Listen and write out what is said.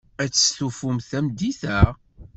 Ad testufum tameddit-a?